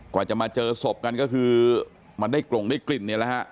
กว่าจะมาเจอศพกันก็คือมันได้กลงได้กลิ่นเนี่ยแหละฮะ